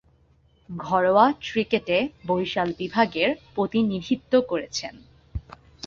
ঘরোয়া ক্রিকেটে বরিশাল বিভাগের প্রতিনিধিত্ব করেছেন।